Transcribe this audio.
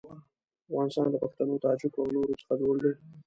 افغانستان له پښتنو، تاجکو او نورو څخه جوړ دی.